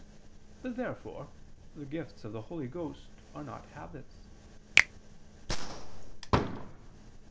Therefore the gifts of the Holy Ghost are not habits.